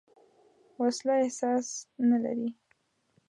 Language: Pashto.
وسله احساس نه لري